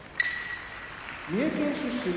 三重県出身